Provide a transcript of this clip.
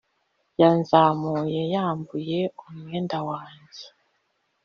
yanzamuye, yambuye umwenda wanjye.